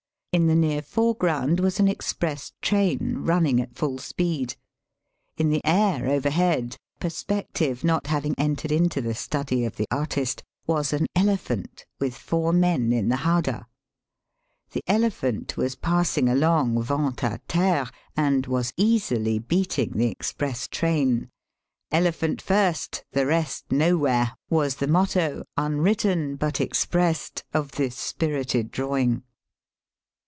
In the near foreground was an express train running at full speed. In the air overhead (perspective not having entered into the study of the artist) was an elephant, with four men in the'howdah. The elephant was pacing along vent'd'terre^ and was easily beating the express train. *^ Elephant first, the rest no where" was the motto, unwritten but expressed^ joi this spuited drawing.